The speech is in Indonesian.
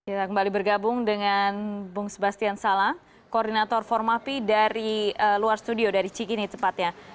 kita kembali bergabung dengan bung sebastian sala koordinator formapi dari luar studio dari cikini tepatnya